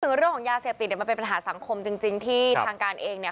เรื่องของยาเสพติดเนี่ยมันเป็นปัญหาสังคมจริงที่ทางการเองเนี่ย